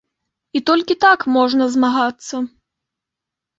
І толькі так можна змагацца.